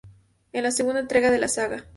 Es la segunda entrega de la saga.